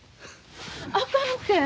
あかんて。